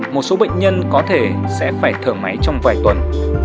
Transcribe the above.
một số bệnh nhân có thể sẽ phải thở máy trong vài tuần